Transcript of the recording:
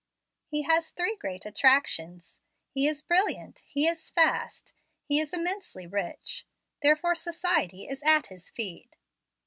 He has three great attractions: he is brilliant; he is fast; he is immensely rich, therefore society is at his feet."